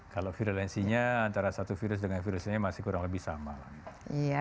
kalau virulensinya antara satu virus dengan virus ini masih kurang lebih sama lah